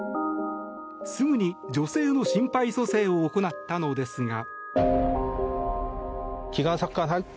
すぐに女性の心肺蘇生を行ったのですが。